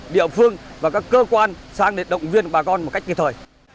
địa phương và các cơ quan sang để động viên bà con một cách kịp thời